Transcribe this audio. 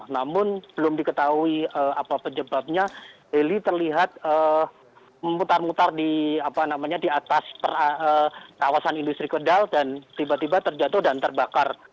namun belum diketahui apa penyebabnya heli terlihat memutar mutar di atas kawasan industri kedal dan tiba tiba terjatuh dan terbakar